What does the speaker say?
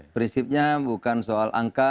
prinsipnya bukan soal angka